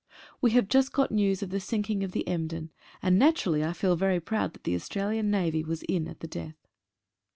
We have just got news of the sinking of the "Emden," and naturally I feel very proud that the Aus tralian Navy was in at the death.